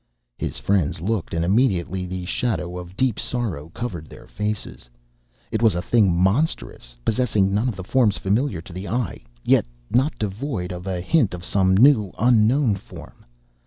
His friends looked, and immediately the shadow of deep sorrow covered their faces. It was a thing monstrous, possessing none of the forms familiar to the eye, yet not devoid of a hint of some new unknown form.